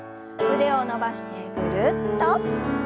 腕を伸ばしてぐるっと。